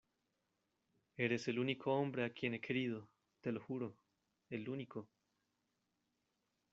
eres el único hombre a quien he querido, te lo juro , el único...